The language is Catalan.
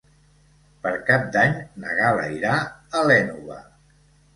Per Cap d'Any na Gal·la irà a l'Énova.